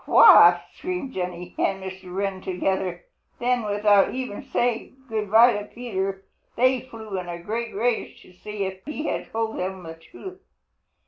"What?" screamed Jenny and Mr. Wren together. Then without even saying good by to Peter, they flew in a great rage to see if he had told them the truth.